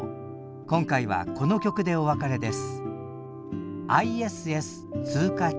今回はこの曲でお別れです。